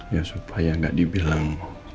ya supaya gak dibilang